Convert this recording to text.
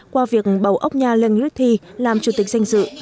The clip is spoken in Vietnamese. qua việc bầu ốc nhà lê nguyễn thi làm chủ tịch danh dự